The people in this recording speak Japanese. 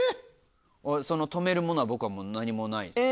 止めるものは僕はもう何もないですね。